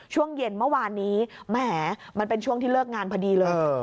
ช่วงเย็นเมื่อวานนี้แหมมันเป็นช่วงที่เลิกงานพอดีเลย